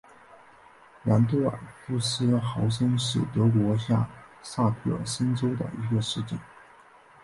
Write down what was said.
兰多尔夫斯豪森是德国下萨克森州的一个市镇。